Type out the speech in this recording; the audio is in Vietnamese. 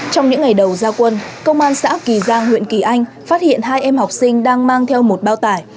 trong những ngày đầu gia quân công an xã kỳ giang huyện kỳ anh phát hiện hai em học sinh đang mang theo một bao tải